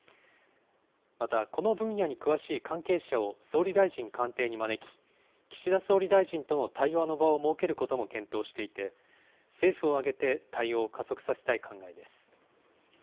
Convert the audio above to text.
また、この分野に詳しい関係者を総理大臣官邸に招き、岸田総理大臣との対話の場を設けることも検討していて、政府を挙げて対応を加速させたい考えです。